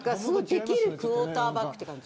できるクォーターバックって感じ。